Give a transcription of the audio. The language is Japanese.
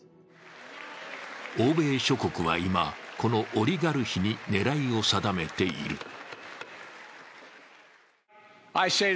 欧米諸国は今、このオリガルヒに狙いを定めている。